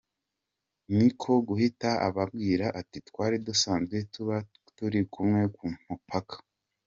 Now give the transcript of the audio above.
Ni ko guhita ababwira ati “Twari dusanzwe tuba turi kumwe ku mupaka”.